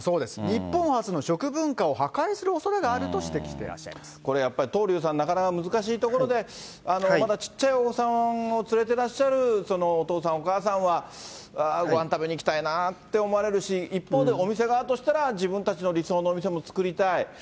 日本発の食文化を破壊するおそれこれやっぱり、東龍さん、なかなか難しいところで、まだちっちゃいお子さんを連れてらっしゃるお父さん、お母さんは、ごはん食べに行きたいなって思われるし、一方でお店側としたら、自分たちの理想のお店も作りたい。